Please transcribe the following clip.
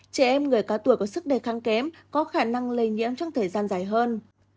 trẻ em người cao tuổi có sức đề kháng kém có khả năng lây nhiễm trong thời gian dài hơn